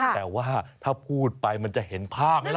แต่ว่าถ้าพูดไปมันจะเห็นภาพไหมล่ะ